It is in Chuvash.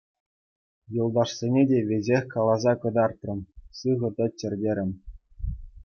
Юлташсене те веҫех каласа кӑтартрӑм, сыхӑ тӑччӑр терӗм.